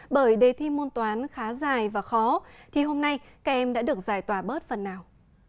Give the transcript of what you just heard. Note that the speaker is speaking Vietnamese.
bởi đề thi môn toán khá dài và khó thì hôm nay các em đã được giải tỏa bớt phần nào